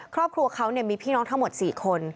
ครอบครัวเขามีพี่น้องทั้งหมด๔คน